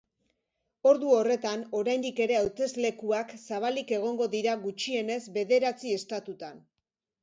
Ordu horretan, oraindik ere hauteslekuak zabalik egongo dira gutxienez bederatzi estatutan.